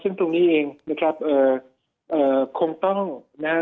ซึ่งตรงนี้เองนะครับเอ่อคงต้องนะฮะ